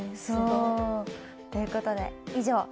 そう。ということで以上。